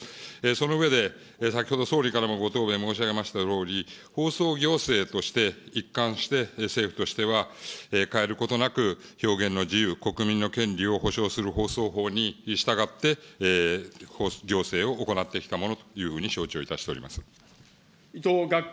その上で、先ほど総理からもご答弁申し上げましたとおり、放送行政として、一貫して、政府としては変えることなく、表現の自由、国民の権利を保障する放送法に従って、行政を行ってきたものと承伊藤岳君。